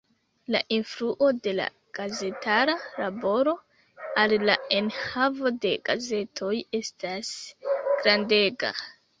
La influo de la gazetara laboro al la enhavo de gazetoj estas grandega.